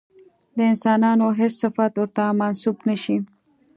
د انسانانو هېڅ صفت ورته منسوب نه شي.